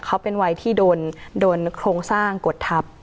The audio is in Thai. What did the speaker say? เขาเป็นวัยที่โดนโครงสร้างกดทับ